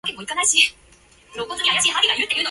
He rose rapidly to the rank of major-general.